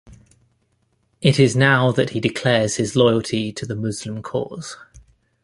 It is now that he declares his loyalty to the Muslim cause.